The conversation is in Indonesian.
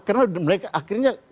karena mereka akhirnya